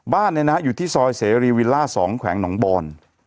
บ้านเนี่ยนะอยู่ที่ซอยเสรีวิลล่า๒แขวงหนองบอน